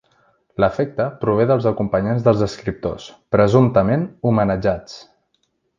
L'afecte prové dels acompanyants dels escriptors presumptament homenatjats.